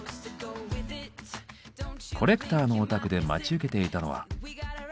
コレクターのお宅で待ち受けていたのは。